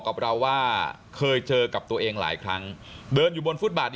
กับเราว่าเคยเจอกับตัวเองหลายครั้งเดินอยู่บนฟุตบาท